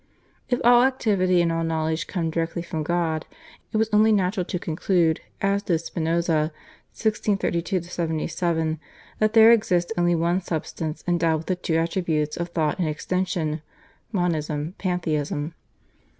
If all activity and all knowledge come directly from God, it was only natural to conclude, as did /Spinoza/ (1632 77), that there exists only one substance endowed with the two attributes of thought and extension (Monism, Pantheism).